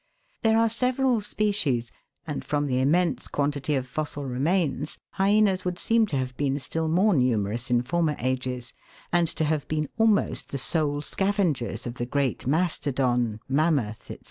There are several species, and from the immense quantity of fossil remains, hyaenas would seem to have been still more numerous in former ages, and to have been almost the sole scavengers of the great mastodon, mammoth, &c.